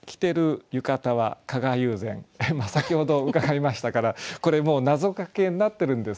先ほど伺いましたからこれもうなぞかけになってるんですよね。